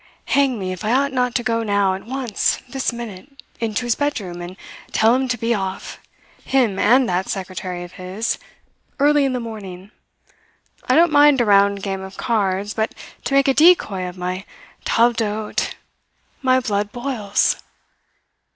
"Hang me if I ought not to go now, at once, this minute, into his bedroom, and tell him to be off him and that secretary of his early in the morning. I don't mind a round game of cards, but to make a decoy of my table d'hote my blood boils!